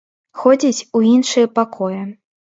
Ходзіць у іншыя пакоі.